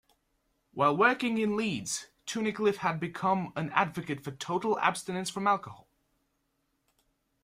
While working in Leeds, Tunnicliff had become an advocate for total abstinence from alcohol.